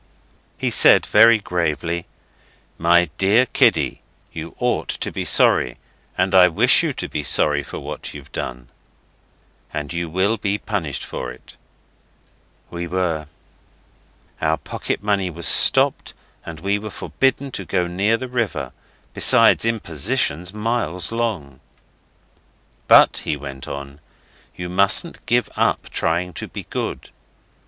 He said very gravely, 'My dear kiddie, you ought to be sorry, and I wish you to be sorry for what you've done. And you will be punished for it.' (We were; our pocket money was stopped and we were forbidden to go near the river, besides impositions miles long.) 'But,' he went on, 'you mustn't give up trying to be good.